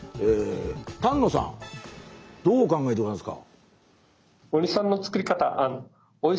丹野さんどうお考えでございますか。